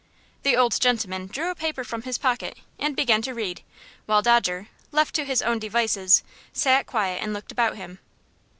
The old gentleman drew a paper from his pocket, and began to read, while Dodger, left to his own devices, sat quiet and looked about him.